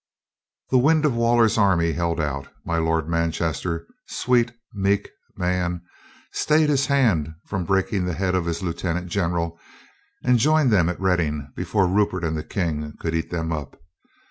The wind of Waller's army held out. My Lord Manchester, "sweet, meek man," stayed his hand from breaking the head of his lieutenant general, and joined them at Reading before Rupert and the King could eat them up.